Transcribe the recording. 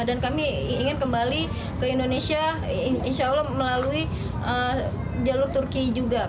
dan kami ingin kembali ke indonesia insya allah melalui jalur turki juga